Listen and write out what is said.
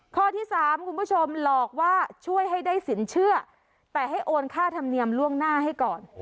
ข้อที่๓คุณผู้ชมหลอกว่าช่วยให้ได้สินเชื่อแต่ให้โอนค่าธรรมเนียมล่วงหน้าให้ก่อน